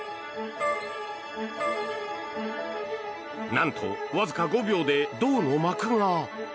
何と、わずか５秒で銅の膜が。